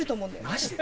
マジで？